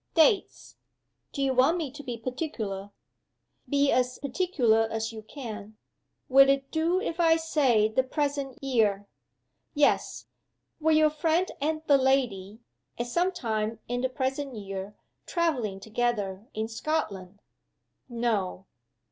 "Dates?" "Do you want me to be particular?" "Be as particular as you can." "Will it do, if I say the present year?" "Yes. Were your friend and the lady at some time in the present year traveling together in Scotland?" "No."